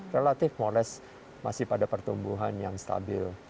relatif mores masih pada pertumbuhan yang stabil